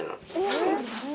そうなんだ。